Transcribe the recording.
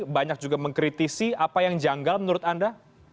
banyak juga mengkritisi apa yang janggal menurut anda